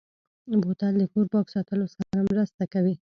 بوتل د کور پاک ساتلو سره مرسته کوي.